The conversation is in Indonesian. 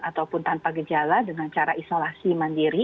ataupun tanpa gejala dengan cara isolasi mandiri